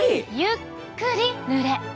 ゆっくり塗れ。